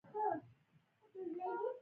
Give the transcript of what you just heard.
په لومړي سر کې اموي حکومت راپرځولو هڅه کوله